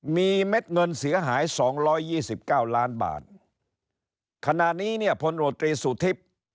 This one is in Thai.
มีเม็ดเงินเสียหาย๒๒๙ล้านบาทขณะนี้เนี่ยพลตมตรีสุทธิพย์